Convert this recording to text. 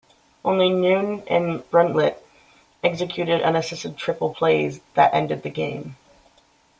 Only Neun and Bruntlett executed unassisted triple plays that ended the game.